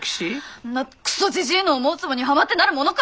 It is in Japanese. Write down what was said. そんなクソじじいの思うつぼにはまってなるものか！